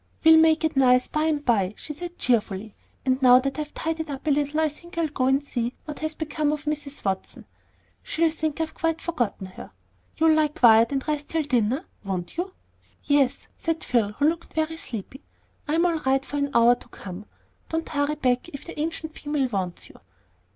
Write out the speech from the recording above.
"We'll make it nice by and by," she said cheerfully; "and now that I've tidied up a little, I think I'll go and see what has become of Mrs. Watson. She'll think I have quite forgotten her. You'll lie quiet and rest till dinner, won't you?" "Yes," said Phil, who looked very sleepy; "I'm all right for an hour to come. Don't hurry back if the ancient female wants you."